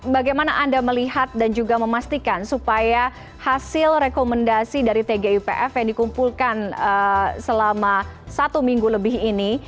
bagaimana anda melihat dan juga memastikan supaya hasil rekomendasi dari tgipf yang dikumpulkan selama satu minggu lebih ini